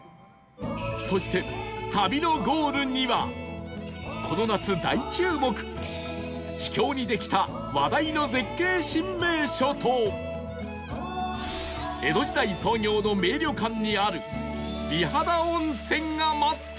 そしてこの夏大注目秘境にできた話題の絶景新名所と江戸時代創業の名旅館にある美肌温泉が待っている